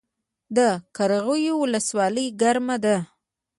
د قرغیو ولسوالۍ ګرمه ده